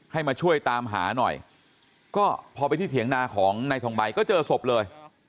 มาช่วยตามหาหน่อยก็พอไปที่เถียงนาของนายทองใบก็เจอศพเลย